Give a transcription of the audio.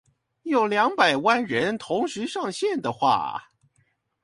有兩百萬人同時上線的話